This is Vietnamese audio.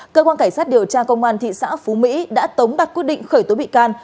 cơ quan cảnh sát điều tra công an thị xã phú mỹ đã tống đặt quyết định khởi tố bị can